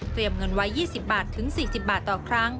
เงินไว้๒๐บาทถึง๔๐บาทต่อครั้ง